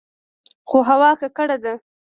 خو هوا ککړه ده.